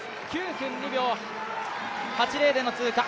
９分２秒８０での通過。